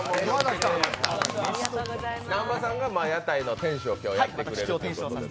南波さんが屋台の店主を今日やっていただくということで。